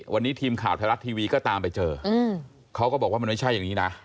วันนี้ทีมข่าวไทยรัฐทีวีก็ตามไปเจอเขาก็บอกว่ามันไม่ใช่อย่างนี้นะ